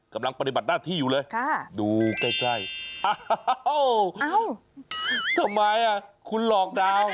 กำลังปฏิบัติหน้าที่อยู่เลยดูใกล้อ้าวทำไมคุณหลอกดาวน์